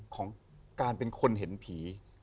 ของการเป็นคนเห็นผี